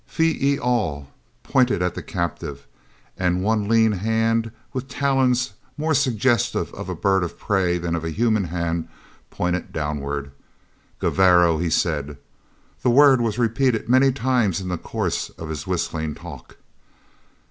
Phee e al pointed at the captive; and one lean hand, with talons more suggestive of a bird of prey than of a human hand, pointed downward. "Gevarro," he said. The word was repeated many times in the course of his whistling talk.